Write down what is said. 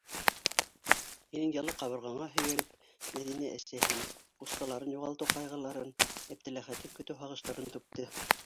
Һинең йылы ҡабырғаңа һөйәлеп, Мәҙинә әсәһен, ҡустыларын юғалтыу ҡайғыларын, Әптеләхәтен көтөү һағыштарын түкте.